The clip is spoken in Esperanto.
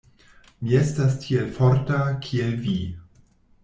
Mi estas tiel forta, kiel vi.